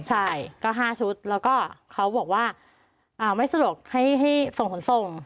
ใช่ก็๕ชุดแล้วก็เขาบอกว่าไม่สะดวกให้ส่งขนส่ง